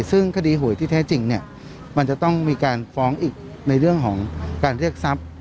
ซึ่งคดีหวยที่แท้จริงเนี่ยมันจะต้องมีการฟ้องอีกในเรื่องของการเรียกทรัพย์